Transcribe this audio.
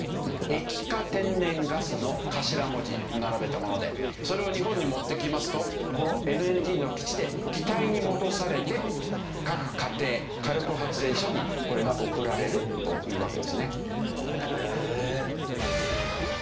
液化天然ガスの頭文字並べたものでそれを日本に持ってきますとこのＬＮＧの基地で気体に戻されて各家庭火力発電所にこれが送られるというわけですね。